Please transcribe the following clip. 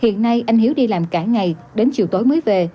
hiện nay anh hiếu đi làm cả ngày đến chiều tối mới về